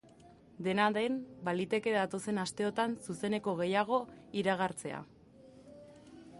Dena den, baliteke datozen asteotan zuzeneko gehiago iragartzea.